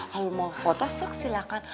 kalo mau foto sok silahkan